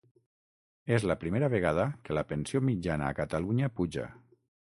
És la primera vegada que la pensió mitjana a Catalunya puja